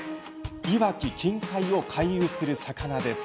いわき近海を回遊する魚です。